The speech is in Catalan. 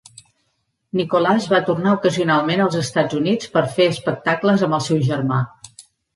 Nicholas va tornar ocasionalment als Estats Units per fer espectacles amb el seu germà.